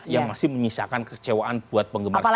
yang masih menyisakan kecewaan buat penggemar sebabnya